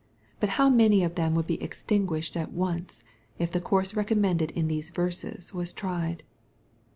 But how many of them would be extinguished at once, if the course recommended in these verses was tried.